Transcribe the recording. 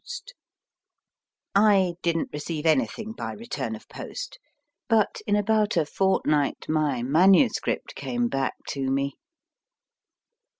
THE BALCONY I didn t receive anything by return of post, but in about a fortnight my manuscript came back to me.